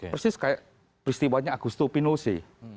persis kayak peristiwanya agustus pinochet